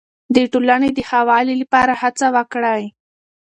د ټولنې د ښه والي لپاره هڅه وکړئ.